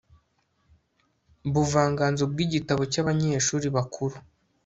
ubuvanganzo bw' igitabo cyabanyeshuri bakuru